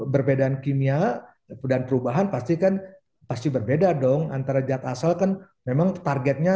berbedaan kimia dan perubahan pastikan pasti berbeda dong antara zat asal kan memang targetnya